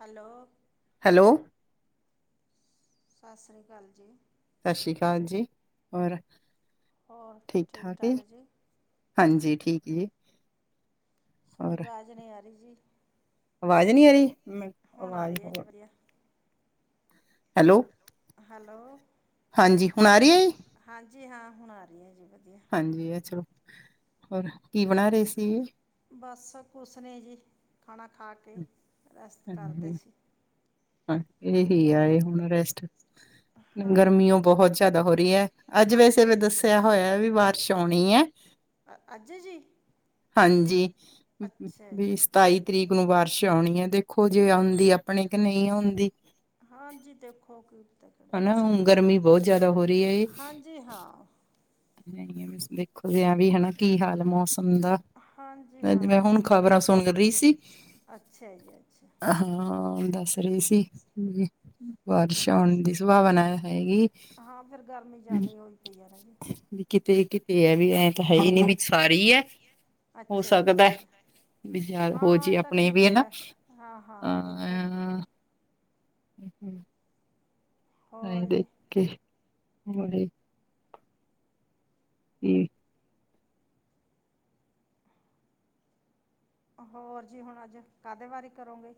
Hello hello ਸਤਿ ਸ਼੍ਰੀ ਅਕਾਲ ਜੀ ਸਤਿ ਸ਼੍ਰੀ ਅਕਾਲ ਜੀ, ਹੋਰ ਠੀਕ ਠਾਕ ਹੈ। ਹਾਂਜੀ ਠੀਕ ਜੀ ਤੁਹਾਡੀ ਹੋਰ ਆਵਾਜ਼ ਨਹੀਂ ਆ ਰਹੀ ਜੀ ਆਵਾਜ਼ ਨਹੀਂ ਆ ਰਹੀ, ਹੁਣ ਆ ਆਵਾਜ਼ ਰਹੀ ਹੈ ਹੋ ਜੀ ਵਧੀਆ ਹੈਲੋ ਹੈਲੋ ਹਾਂਜੀ ਹੁਣ ਆ ਰਹੀਆ? ਹਾਂਜੀ ਹਾਂ ਹੁਣ ਆ ਰਈ ਅ ਜੀ ਵਧੀਆ। ਹਾਂਜੀ ਆ ਚਲੋ, ਹੋਰ ਕੀ ਬਣਾ ਰਹੇ ਸੀ ਏ। ਬਸ ਕੁਸ ਨੀ ਜੀ, ਖਾਣਾ ਖਾ ਕੇ, ਰੈਸਟ ਕਰਦੇ ਹਾਂਜੀ ਸੀ। ਹਾਂ ਏਹੀ ਆ ਏ ਹੁਣ ਰੈਸਟ। ਗਰਮੀਓ ਹਾਂਜੀ ਬਹੁਤ ਯਾਦਾ ਹੋ ਰਈ ਐ ਅੱਜ ਵੈਸੇ ਹਾਂਜੀ ਮੈਂ ਦੱਸਿਆ ਹੋਇਆ ਵੀ ਬਾਰਿਸ਼ ਔਣੀ ਐ ਅੱਜ ਜੀ ਹਾਂਜੀ ਵ ਅੱਛਾ ਜੀ ਵੀ ਸਤਾਈ ਤਰੀਕ ਵਾਰਿਸ਼ ਆਉਨੀ ਏ ਦੇਖੋ ਜੇ ਆਉਂਦੀ ਆਪਣੇ ਕਿ ਨਈ ਆਉਂਦੀ। ਹਾਂਜੀ ਦੇਖੋ ਕਿਤੇ ਕਿਹੜੇ ਹਨਾ, ਪਾਸੇ ਹੁਣ ਲੰਘ ਜੇ, ਬਹੁਤ ਗਰਮੀ ਜ਼ਿਆਦਾ ਹੋ ਬੋਤ ਆ, ਰਹੀ ਹੈ ਹਾਂਜੀ ਹਾਂ। [unintelligible] ਕੀ ਹਾਲ ਮੌਸਮ ਦਾ। ਹਾਂਜੀ ਅਜ ਮੈਂ ਹਾਂ ਇਹ ਹੁਨ ਤਾਂ ਹੈ। ਖ਼ਬਰਾਂ ਸੁਣ ਰੲ਼ਈ ਸੀ, ਅੱਛਾ ਜੀ ਅੱਛਾ ਹਾਂ ਹੁਣ ਦੱਸ ਰੀ ਸੀ ਮੁਵੀ ਬਾਰਿਸ਼ ਚਲੋ ਔਣ ਦੀ ਸੰਭਾਵਨਾ ਹੈਗੀ ਹਾਂ ਫਿਰ ਗਰਮੀ ਜ਼ਿਆਦਾ ਹੋਈ ਪਈ ਆ ਰਾਜੇ ਵੀ ਕਿਤੇ ਕਿਤੇ ਐ ਵੀ ਐਂ ਤਾਂ ਹੈ ਹੀ ਨੀ ਵੀ ਸਾਰੀ ਐ। ਅੱਛਾ ਜੀ ਅੱਛਾ। ਵੀ ਯਾਰ ਹੋ ਹਾਂ ਏ ਜੇ ਤਾਂ ਆਪਣੇ ਕੀ ਵੀ ਪਤਾ ਹਨਾ ਐ। ਹਾਂ -ਹਾਂ ਦੇਖੋ। ਅ [unintelligible] ਐਂ ਹੋਰ ਜੀ ਦੇਖਕੇ ਬੜੇ [unintelligible] ਹੋਰ ਜੀ ਹੁਣ ਅੱਜ, ਕਾਹਦੇ ਵਾਰੇ ਕਰੋਂਗੇ?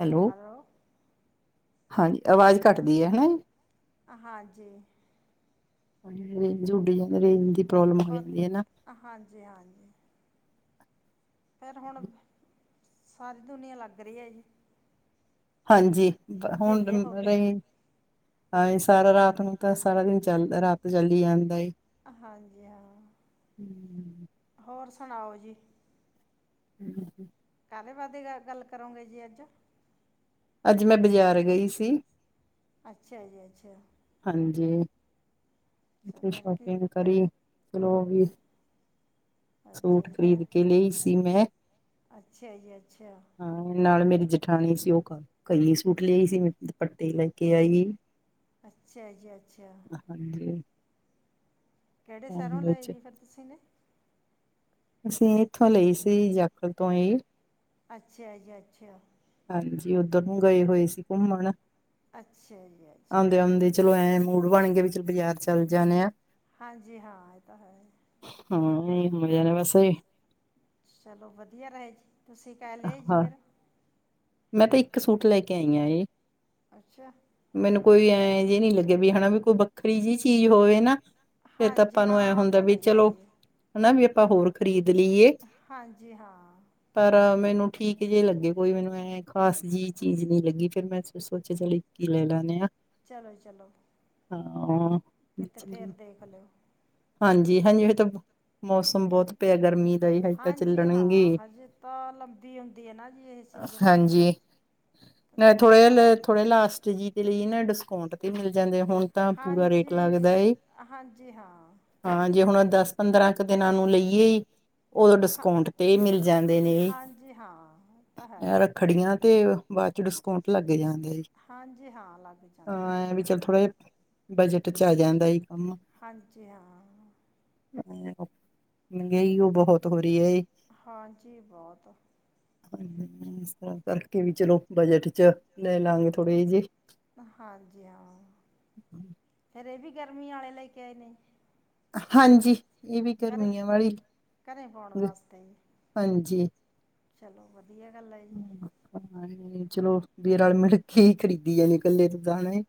ਹੈਲੋ ਐਲੋ ਹਾਂਜੀ ਆਵਾਜ਼ ਕੱਟਦੀ ਐ, ਹਨਾ ਜੀ? ਹਾਂਜੀ। ਰੇਂਜ ਉੱਡ ਜਾਂ ਰੇਂਜ ਦੀ ਪ੍ਰੋਬਲਮ ਹੋ ਪ ਜਾਂਦੀ ਨਾ। ਹਾਂਜੀ- ਹਾਂਜੀ। ਫਿਰ ਹੁਣ, ਸਾਰੀ ਦੁਨੀਆਂ ਲੱਗ ਰਈ ਆ ਜੀ। ਹਾਂਜੀ ਹੁਣ ਵਿਹਲੇ ਹੋ ਕੇ ਰਹੀ ਹਾਂ ਸਾਰਾ ਰਾਤ ਨੂੰ ਤਾਂ ਸਾਰਾ ਦਿਨ ਚੱਲ ਰਾਤ ਚੱਲੁ ਜਾਂਦਾ ਏ। ਹਾਂਜੀ ਹਾਂ, ਹੋਰ ਸੁਣਾਓ ਜੀ? [unintelligible] ਕਾਦੇ ਬਾਦੇ ਗ ਗੱਲ ਕਰੋਂਗੇ ਜੀ ਅੱਜ? ਅੱਜ ਮੈਂ ਬਜ਼ਾਰ ਗਈ ਸੀ ਅੱਛਾ ਜੀ ਅੱਛਾ। ਹਾਂਜੀ, ਅੱਛਾ ਉਥੇ ਫਿਰ ਕੀ ਸ਼ੋਪਿੰਗ ਕਰੀ ਚਲੋ ਵੀ ਅੱਛਾ ਸੂਟ ਜੀ ਫਿਰ ਖ਼ਰੀਦ ਕੇ ਲਈ ਸੀ ਮੈਂ ਅੱਛਾ ਜੀ ਅੱਛਾ ਹਾਂ ਨਾਲ ਮੇਰੀ ਜਠਾਣੀ ਸੀ ਉ ਕ ਕਲੀ ਸੂਟ ਲਿਆਈ ਸੀ ਮੈਂ ਦੁਪੱਟੇ ਲੈ ਕੇ ਆਈ। ਅੱਛਾ ਜੀ ਅੱਛਾ। ਹਾਂਜੀ। ਕੈੜੇ ਸੈਰੋਂ ਲਏ ਵਿੱਚ ਜੀ ਫੇਰ ਤੁਸੀ ਨੇ? ਅਸੀ ਏਥੋਂ ਲਈ ਸੀ ਜੀ ਜਾਖੜ ਤੋਂ ਈ। ਅੱਛਾ ਜੀ ਅੱਛਾ। ਹਾਂਜੀ ਓਧਰ ਨੂੰ ਗਏ ਹੋਏ ਸੀ ਘੁੰਮਣ ਅੱਛਾ ਜੀ ਅੱਛਾ। ਆਉਂਦੇ ਆਉਂਦੇ ਚਲੋ ਐਂ ਮੂਡ ਬਣ ਗਯਾ ਵੀ ਚਲੋ ਬਾਜ਼ਾਰ ਚਲ ਜਾਣੇ ਆ। ਹਾਂਜੀ ਹਾਂ ਏਹ ਤਾਂ ਹੈ। ਹੂੰ [unintelligible] ਵੈਸੇ ਚਲੋ ਵਧੀਆ ਰਹੇ ਤੁਸੀ ਕਾ ਲਏ ਜੀ ਹਾਂ ਫੇਰ? ਮੈਂ ਤੇ ਇੱਕ ਸੂਟ ਲੈ ਕੇ ਆਈ ਆਂ ਏ। ਅੱਛਾ। ਮੈਨੂੰ ਕੋਈ ਐਂ ਜੀ ਨੀ ਲੱਗੇ ਵੀ ਹੈਨਾ ਵੀ ਕੋ ਵੱਖਰੀ ਜੀ ਚੀਜ਼ ਹੋਵੇ ਨਾ। ਫੇਰ ਤਾਂ ਹਾਂਜੀ ਆਪਾਂ ਨੂੰ ਐਂ ਹਾਂ ਉਹ ਹੁੰਦਾ ਤਾਂ ਵੀ ਲਈ ਚਲੋ ਜਾਂਦੀ ਹੈ ਹਨਾ ਵੀ ਆਪਾਂ ਹੋਰ ਖ਼ਰੀਦ ਲਈਏ। ਹਾਂਜੀ, ਹਾਂ। ਪਰ ਮੈਨੂੰ ਠੀਕ ਜੇ ਲੱਗੇ ਕੋਈ ਮੈਨੂੰ ਐਂ ਖਾਸ ਜਿ ਚੀਜ਼ ਨੀ ਲੱਗੀ ਫੇਰ ਮੈਂ ਸੋਚੇਆ ਚੱਲ ਇਕ ਈ ਲੈ ਲੈਨੇ ਆਂ। ਚਲੋ ਜੀ ਚਲੋ। ਹਾਂ। ਕਿਤੇੇ ਫੇਰ ਚਲੋ। ਦੇਖ ਲੇਓ। ਹਾਂਜੀ, ਹਾਂਜੀ ਜੇੜੇ ਤਬ ਮੋਸਮ ਬੋਤ ਪੇਆ ਗਰਮੀ ਦਾ ਹੀ, ਹਜੇ ਤਾ ਹਾਂਜੀ ਹਾਂ ਚੱਲਣਗੇ। ਹਜੇ ਤਾਂ ਲੰਬੀ ਹੁੰਦੀ ਹੈ ਨਾ ਜੀ ਇਹ ਸੀਜ਼ਨ ਹਾਂਜੀ, ਮੈਂ ਇਹਨਾਂ ਥੋੜੇ ਲੱਭਾ ਲ ਥੋੜੇ ਲਾਸਟ ਜੀ। [unintelligible] ਨਾ ਡਿਸਕੋਂਟ ਤੇ, ਮਿਲ ਜਾਂਦੇ ਹੁਨ ਤਾਂ ਪੂਰਾ ਰੇਟ ਹਾਂਜੀ ਲੱਗਦਾ ਏ ਹਾਂਜੀ, ਹਾਂ ਹਾਂ ਜੇ ਹੁਣ ਦਾੱਸ, ਪੰਦਰਾਂ ਕ ਦਿਨਾਂ ਨੂੰ ਲਈਏ ਓਦੋ ਹਾਂ ਡਿਸਕੋਂਟ ਤੇ ਮਿਲ ਜਾਂਦੇ ਨੇ, ਹਾਂਜੀ ਹਾਂ ਉਹ ਤਾਂ ਹੈ ਯਾਰ ਖੜੀਆਂ ਤੇ ਬਾਦ ਚੋ ਡਿਸਕੋਂਟ ਲੱਗ ਜਾਂਦੇ ਹਾਂਜੀ ਹਾਂ ਲੱਗ ਜਾਂਦੇ ਹਾਂ ਨੇ ਐ ਵੀ ਚੱਲ ਥੋੜਾ ਜਾ, ਬਜਟ ਚ ਆ ਜਾਂਦਾ ਈ ਕਾੰਮ ਹਾਂਜੀ, ਹਾਂ [unintelligible] ਮੇਂਗਈ ਓ ਬੋਤ ਹੋਰੀ ਏ। ਹਾਂਜੀ, ਬੋਤ [unintelligible] ਇਸ ਤਰਾਂ ਕਰਕੇ ਵੀ ਚਲੋ ਬਜਟ ਚ ਲੇ ਲਾਂਗੇ ਥੋੜੇ ਜੇ। ਹਾਂਜੀ ਹਾਂ ਫੇਰ ਏਵੀ ਗਰਮੀਆਂ ਆਲੇ ਲੈਕੇ ਆਏ ਨੇ। ਹਾਂਜੀ, ਏਵੀ ਘਰੇ ਗਰਮੀਆਂ ਵਾਲੇ ਈ, ਘਰੇ ਪਾਉਣ ਵਾਸਤੇ ਜੀ ਹਾਂਜੀ। ਚਲੋ ਵਦੀਆ ਗਾੱਲ ਐ ਜੀ। ਹਾਂ, ਚਲੋ ਵੀ ਰਾਲ ਮਿਲਕੇ ਈ ਖਰੀਦੀ ਏ ਕੱਲੇ [unintelligible]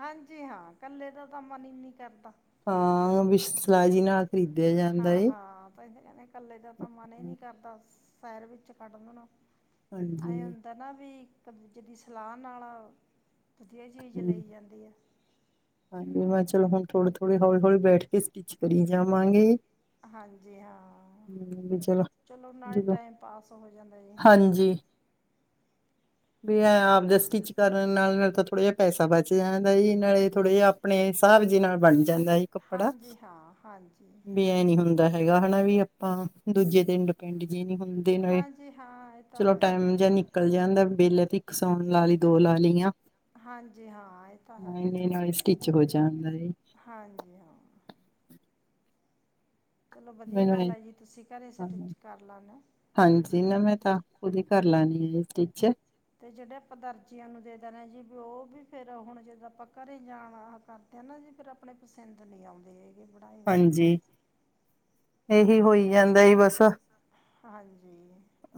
ਹਾਂਜੀ ਹਾਂ, ਕੱਲੇ ਦਾ ਤਾ ਮਨ ਈ ਨੀ ਕਰਦਾ। ਹਾਂ, ਵਿਸ਼ ਲਾਜੀ ਨਾਲ। ਖਰੀਦਿਆ ਜਾਂਦਾ ਹਾਂ, ਏ ਹਾਂ। [unintelligible] ਕੱਲੇ ਦਾ ਤਾਂ ਮਨ ਈ ਨੀ ਕਰਦਾ ਸੈਰ ਵਿੱਚ ਕੱੜਨ ਨੂੰ, ਹਾਂਜੀ ਐਂ ਹਨਾ ਵੀ ਇੱਕ, ਦੁਜੇ ਦੀ ਸਲਾ ਨਾਲ ਵਦੀਆ ਚੀਜ਼ ਹੂੰ ਲਈ ਜਾਂਦੀ ਐ ਹਾਂਜੀ ਮੈਂ ਚਲੋ ਹੁਨ ਥੋੜੇ, ਥੋੜੇ ਹੋਲੀ, ਹੋਲੀ ਬੈਠ ਕੇ ਸਟਿਚ ਕਰੀ ਜਾਵਾਂਗੇ ਹਾਂਜੀ, ਹਾਂ ਹੂੰ, ਵੀ ਚਲੋ ਨਾਲੇ ਜਦੋਂ ਟਾਈਮ ਪਾਸ ਹੋ ਜਾਂਦਾ ਜੇ ਹਾਂਜੀ ਵੀ ਆਪ ਦੇ ਸਟਿੱਚ ਕਰਨ ਨਾਲ, ਨਾਲ ਤਾਂ ਥੋੜਾ ਜਾ ਪੈਸਾ ਬਚ ਜਾਂਦਾ ਜੇ, ਨਾਲੇ ਥੋੜੇ ਜੇਆ ਆਪਣੇ ਸਾਬ ਜੀ ਨਾਲ ਬਨ ਜਾਂਦਾ ਜੇ ਕੱਪੜਾ ਹਾਂਜੀ ਹਾਂ ਹਾਂਜੀ ਵੀ ਐਂ ਨੀ ਹੁੰਦਾ ਹੈਗਾ ਹਨਾ ਵੀ, ਆਪਾਂ ਦੂਜੇ ਤੇ ਡਿਪੈਂਡ ਜੇ ਨੀ ਹੁੰਦੇ ਦਿਨ ਵੇ, ਹਾਂਜੀ ਹਾਂ ਇਹ ਤਾਂ ਚਲੋ ਹੈ ਹੀ ਟਾਏਮ ਜਾ ਨੀ ਨਿਕਲ ਜਾਂਦਾ, ਬੇਲੀਤੀਕ ਸੋਣ ਵਾਲੀ, ਦੋ ਲਾਲੀਆਂ ਹਾਂਜੀ ਹਾਂ ਇਹ ਤਾਂ ਹੈ [unintelligible] ਨਾਲੇ ਸਟਿਚ ਹੋ ਜਾਂਦਾ ਏ। ਹਾਂਜੀ, ਹਾਂ। ਚਲੋ ਵਦੀਆ ਮੈਨੂੰ ਗਾੱਲ ਐ ਆ ਜੀ, ਤੁਸੀ ਕੈਰੇ ਸਟਿਚ ਕਾੱਰ ਲਾਨੇ ਹਾਂਜੀ ਨਾਵੇਂ ਤਾ, ਖੁਦ ਈ ਕਾੱਰ ਲੈਨੀ ਆ ਸਟਿਚ ਤੇ ਜੇੜੇ ਆਪਾਂ ਦਰਜੀਆਂ ਨੂੰ ਦੇ ਦੇਨੇ ਜੀ ਵੀ ਓਵੀ ਫੇਰ ਹੁਣ ਜਦ ਆਪਾਂ ਘਰੇ ਜਾਵਾ ਕਰ ਕੈਂਨੇ ਜੀ ਫੇਰ ਆਪਣੇ ਪਸੰਦ ਨੀ ਆਉਂਦੇ ਹੈਗੇ ਬਣਾਏ ਹੋਏ ਏਹੀ, ਹੋਈ ਜਾਂਦਾ ਈ ਬਸ ਹਾਂਜੀ।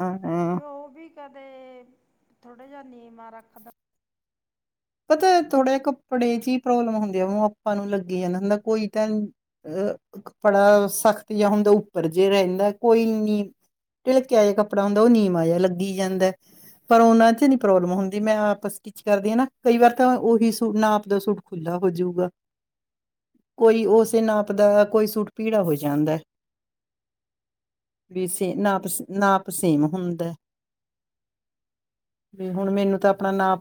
ਹਾਂ, ਆਂ। ਓਵੀ ਕਦੇ ਥੋੜਾ ਜਾ ਨੀਵਾਂ ਰੱਖ ਤਾ ਪਤਾ ਥੋੜੇ ਜੇ ਕੱਪੜੇ ਚ ਈ ਪ੍ਰੋਬਲਮ ਹੁੰਦੀ ਆ, ਓਨੁ ਆਪਾ ਨੂੰ ਲੱਗੀ ਜਾਂਦਾ ਕੋਈ ਤੈਨ ਅ ਕੱਪੜਾ ਸਖਤ ਜਾਂ ਹੁੰਦਾ ਉੱਪਰ ਜੇ ਰਹਿੰਦਾ ਕੋਈ ਨੀ। ਤੇ ਇੱਕ ਕਿਹੋ ਜਿਹਾ ਕੱਪੜਾ ਹੁੰਦਾ, ਉਹ ਨੀਵਾਂ ਜਿਹਾ ਲੱਗੀ, ਜਾਂਦਾ। ਪਰ ਉਹਨਾ ਚ, ਨਹੀਂ ਪ੍ਰੋਬਲਮ ਹੁੰਦੀ, ਮੈਂ ਆਪ ਸਟਿਚ ਕਰਦੀ ਹਾਂ, ਨਾ। ਕਈ ਵਾਰ ਤਾਂ ਉਹੀ ਸੂਟ ਨਾਪ ਦਾ ਸੂਟ ਖੁੱਲਾ ਹੋ, ਜਾਉਗਾ। ਕੋਈ, ਉਸੇ ਨਾਪ ਦਾ ਕੋਈ ਸੂਟ, ਭੀੜਾ ਹੋ, ਜਾਂਦਾ। ਵੀ ਸੇਮ, ਨਾਪ ਨਾਪ ਸੇਮ ਹੁੰਦਾ। ਹੁਣ ਮੈਨੂੰ ਤੇ ਆਪਣਾ ਨਾਪ।